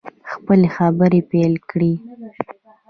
خپلې خبرې پیل کړې.